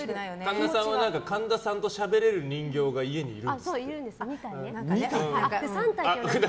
神田さんは神田さんとしゃべれる人形が家にいるんですって。